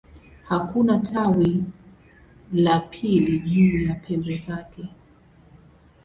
Hakuna tawi la pili juu ya pembe zake.